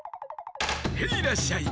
ヘイらっしゃい！